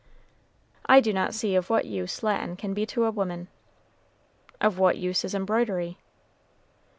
"I do not see of what use Latin can be to a woman." "Of what use is embroidery?"